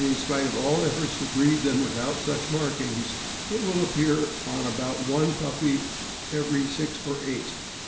spite of all efforts to breed them without such markings, it will appear on about one puppy in every six or eight.